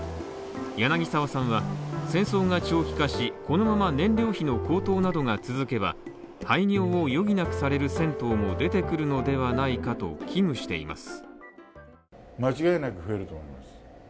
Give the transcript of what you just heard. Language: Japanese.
柳澤さんは戦争が長期化し、このまま燃料費の高騰などが続けば、廃業を余儀なくされる銭湯も出てくるのではないかと危惧しています。